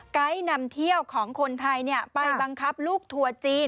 นำเที่ยวของคนไทยไปบังคับลูกทัวร์จีน